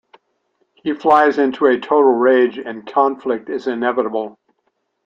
He flies into a total rage, and conflict is inevitable.